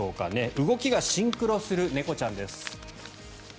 動きがシンクロする猫ちゃんです。